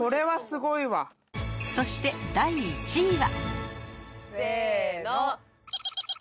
そして第１位は？